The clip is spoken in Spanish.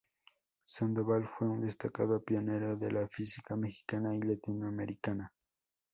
Sandoval fue un destacado pionero de la física mexicana y latinoamericana.